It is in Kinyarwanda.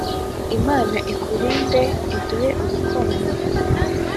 Imana ikurinde iduhe Urukundo